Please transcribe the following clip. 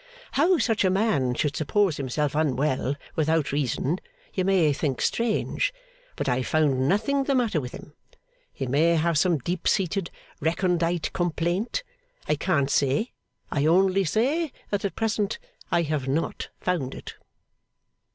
How such a man should suppose himself unwell without reason, you may think strange. But I have found nothing the matter with him. He may have some deep seated recondite complaint. I can't say. I only say, that at present I have not found it out.